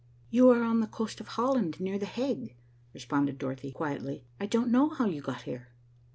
"You are on the coast of Holland, near The Hague," responded Dorothy quietly. "I don't know how you got here."